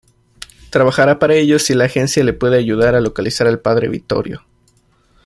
Trabajará para ellos si la agencia le puede ayudar a localizar al Padre Vittorio.